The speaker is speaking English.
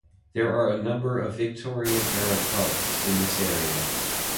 There are a number of Victorian era pubs in the area.